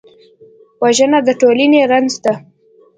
وژنه د ټولنې رنځ ده